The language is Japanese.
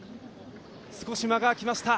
少し間が開きました。